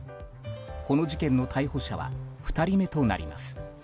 この事件の逮捕者は２人目となります。